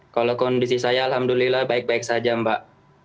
kalau kondisi saya alhamdulillah baik baik saja mbak